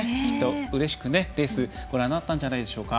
うれしくレースをご覧になったんじゃないでしょうか。